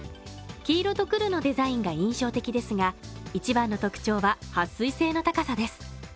黄色と黒のデザインが印象的ですが一番の特徴ははっ水性の高さです